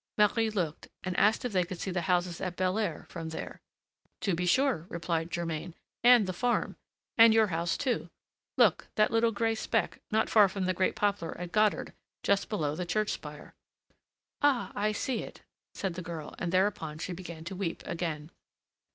Marie looked, and asked if they could see the houses at Belair from there. "To be sure," replied Germain, "and the farm, and your house too. Look, that little gray speck, not far from the great poplar at Godard, just below the church spire." "Ah! I see it," said the girl; and thereupon she began to weep again.